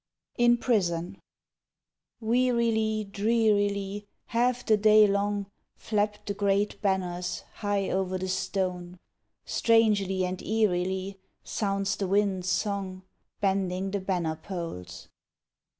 IN PRISON Wearily, drearily, Half the day long, Flap the great banners High over the stone; Strangely and eerily Sounds the wind's song, Bending the banner poles.